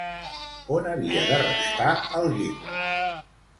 On havia de restar el Guim?